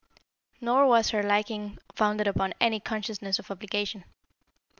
Nor was her liking founded upon any consciousness of obligation.